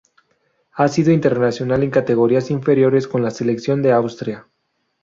Ha sido internacional en categorías inferiores con la selección de Austria.